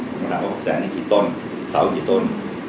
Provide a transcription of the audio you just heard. ผมถามว่า๖๐๐๐๐๐บาทนี่กี่ต้นเสากี่ต้น